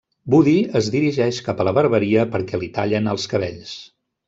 Woody es dirigeix cap a la barberia perquè li tallen els cabells.